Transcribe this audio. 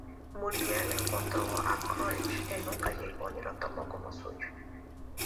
Muriel encontró a Courage en un callejón y lo tomó como suyo.